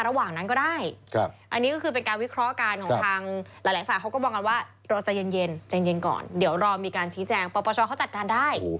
เราจะเย็นก่อนเดี๋ยวรอมีการชี้แจงปปชเค้าจัดการได้